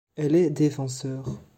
Elle est défenseur.